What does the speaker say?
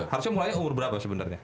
harusnya mulai umur berapa sebenarnya